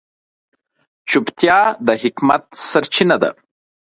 چوپتیا، د حکمت سرچینه ده.